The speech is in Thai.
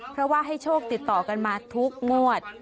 เพราะว่าให้โชคติดต่อกันมาทุกงวด